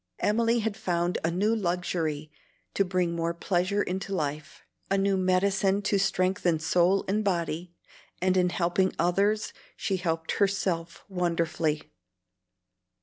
Emily had found a new luxury to bring more pleasure into life, a new medicine to strengthen soul and body; and in helping others, she helped herself wonderfully.